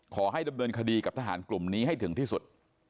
ขอให้ดำเนินคดีกับทหารกลุ่มนี้ให้ถึงที่สุด